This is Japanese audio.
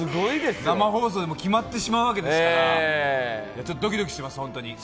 生放送で決まってしまうわけですからドキドキします、本当に。